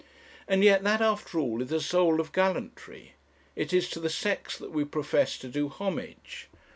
And yet that, after all, is the soul of gallantry. It is to the sex that we profess to do homage.